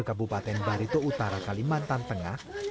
kabupaten barito utara kalimantan tengah